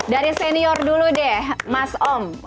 dari senior dulu deh mas om